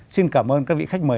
xin cảm ơn các vị khách mời